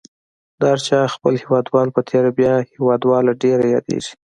د هر چا خپل هیوادوال په تېره بیا هیوادواله ډېره یادیږي.